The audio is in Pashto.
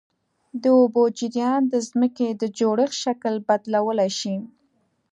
د اوبو جریان د ځمکې د جوړښت شکل بدلولی شي.